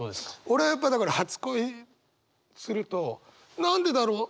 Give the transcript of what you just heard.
俺はやっぱだから初恋するとなんでだろう？